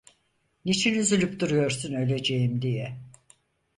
Niçin üzülüp duruyorsun öleceğim diye?